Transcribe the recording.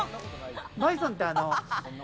バイソンってモ！